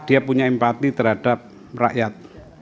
dia punya empati terhadap rakyat